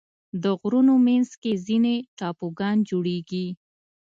د غرونو منځ کې ځینې ټاپوګان جوړېږي.